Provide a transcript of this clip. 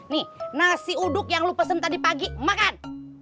nih nasi uduk yang lu pesen tadi pagi makan